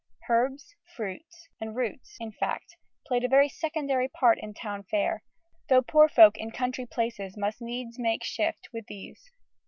Herbs, fruits, and roots, in fact, played a very secondary part in town fare, though poor folk in country places must needs make shift with these.